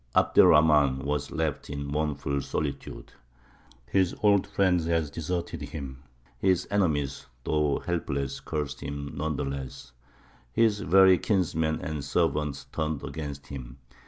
Abd er Rahmān was left in mournful solitude. His old friends had deserted him; his enemies, though helpless, cursed him none the less; his very kinsmen and servants turned against him.